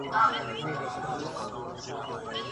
څنګه د بورا د سینې اور وینو !.